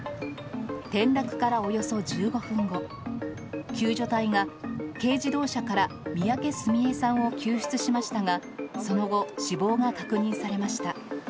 転落からおよそ１５分後、救助隊が軽自動車から三宅すみえさんを救出しましたが、その後、死亡が確認されました。